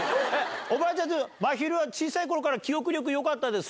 おばあちゃん、ちょっとまひるは小さいころから記憶力よかったですか。